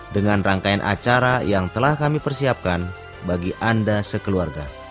dengan rangkaian acara yang telah kami persiapkan bagi anda sekeluarga